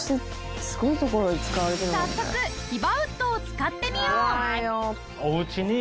早速ヒバウッドを使ってみよう！